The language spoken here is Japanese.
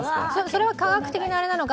それは科学的なあれなのか